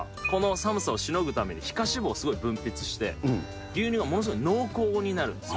冬はこの寒さをしのぐために皮下脂肪すごい分泌して、牛乳がものすごい濃厚になるんですよ。